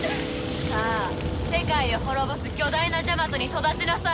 さあ世界を滅ぼす巨大なジャマトに育ちなさい。